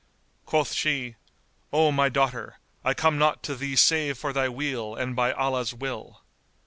Quoth she, "O my daughter, I come not to thee save for thy weal and by Allah's will."